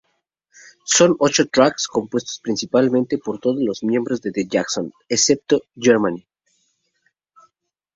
Son ocho "tracks" compuestos principalmente por todos los miembros de The Jacksons, excepto Jermaine.